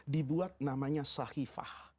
dibuat namanya sahifah